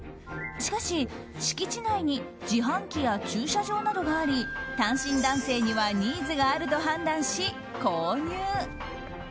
しかし、敷地内に自販機や駐車場などがあり単身男性にはニーズがあると判断し、購入。